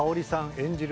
演じる